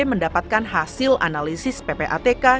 mendapatkan hasil analisis ppatk